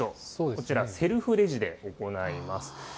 こちら、セルフレジで行います。